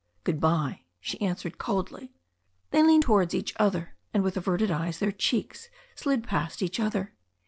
"Good bye," she answered coldly. They leaned towards each other, and with averted eyes their cheeks slid past each other.